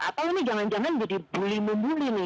atau ini jangan jangan jadi bully membuli nih